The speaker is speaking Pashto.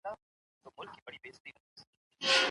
څېړنې به پیل کړي